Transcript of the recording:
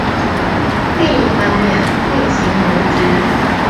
另一方面另行谋职